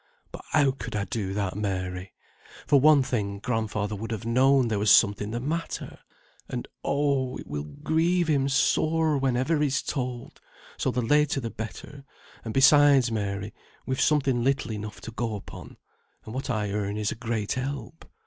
But how could I do that, Mary? For one thing, grandfather would have known there was somewhat the matter; and, oh! it will grieve him sore whenever he's told, so the later the better; and besides, Mary, we've sometimes little enough to go upon, and what I earn is a great help.